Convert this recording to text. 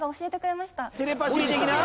テレパシー的な？